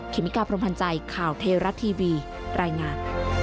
เมกาพรมพันธ์ใจข่าวเทราะทีวีรายงาน